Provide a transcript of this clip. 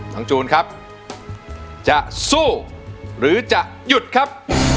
จูนครับจะสู้หรือจะหยุดครับ